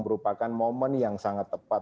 merupakan momen yang sangat tepat